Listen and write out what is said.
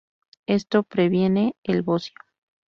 Esto previene el bocio.